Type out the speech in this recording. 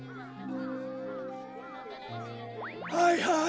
はいはい